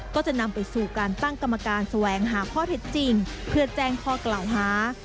ก็จะนำไปสู่การตั้งกรรมการแสวงหาข้อเท็จจริงเพื่อแจ้งข้อกล่าวหา